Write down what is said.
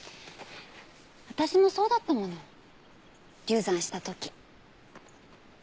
私もそうだったもの流産したとき。